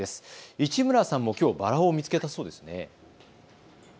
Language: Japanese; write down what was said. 市村さんも、きょうバラを見つけたそうですね。